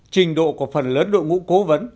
trình độ của phần lớn đội ngũ cố vấn